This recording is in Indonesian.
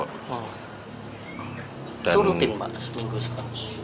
itu rutin pak seminggu sekali